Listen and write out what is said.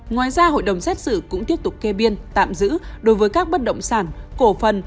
ngoài ra hội đồng xét xử cũng tiếp tục kê biên tạm giữ đối với các bất động sản cổ phần